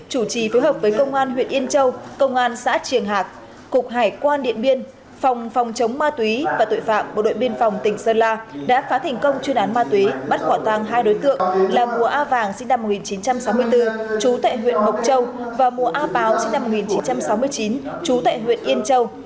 chủ trì phối hợp với công an huyện yên châu công an xã triềng hạc cục hải quan điện biên phòng phòng chống ma túy và tội phạm bộ đội biên phòng tỉnh sơn la đã phá thành công chuyên án ma túy bắt quả tàng hai đối tượng là mùa a vàng sinh năm một nghìn chín trăm sáu mươi bốn trú tại huyện mộc châu và mùa a báo sinh năm một nghìn chín trăm sáu mươi chín trú tại huyện yên châu